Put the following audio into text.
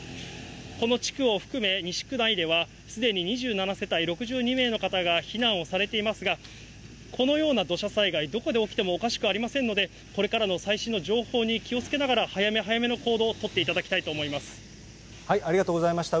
この地区を含め、西区内ではすでに２７世帯６２名の方が避難をされていますが、このような土砂災害、どこで起きてもおかしくありませんので、これからの最新の情報に気をつけながら、早め早めの行動を取ってありがとうございました。